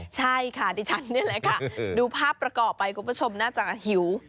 ใช่ค่ะดิฉันนี่แหละค่ะดูภาพประกอบไปคุณผู้ชมน่าจะหิว